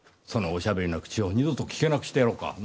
そのおしゃべりな口を二度と利けなくしてやろうか。